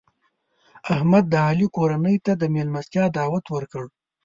احمد د علي کورنۍ ته د مېلمستیا دعوت ورکړ.